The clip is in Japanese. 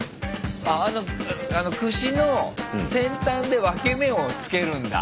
あのくしの先端で分け目をつけるんだ。